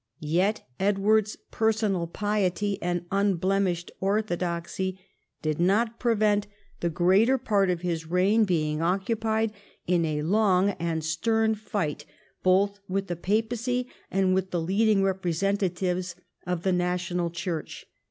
Yet Edward's personal piety and unblemished orthodoxy did not prevent the greater part of his reign being occupied in a long and stern fight both with the papacy and with the leading representatives of the national Church.